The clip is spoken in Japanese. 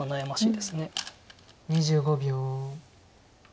２５秒。